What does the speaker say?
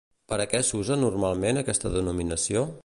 Per a què s'usa normalment aquesta denominació?